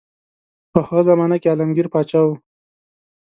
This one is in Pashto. په هغه زمانه کې عالمګیر پاچا وو.